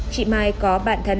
chị mai có bạn thân